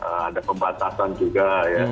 ada pembatasan juga